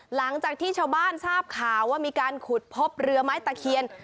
หลังจากที่ชาวบ้านทราบข่าวว่ามีการขุดพบเรือไม้ตะเคียน